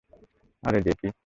আরে, জেপি!